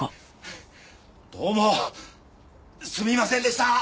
どうもすみませんでした！